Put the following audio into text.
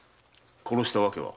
殺した訳は？